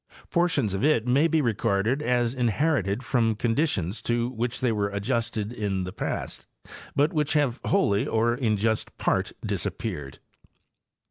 Portions of it may be regarded as inherited from conditions to which they were adjusted in the past, but which have wholly or_in part disap peared.